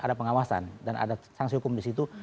ada pengawasan dan ada sanksi hukum di situ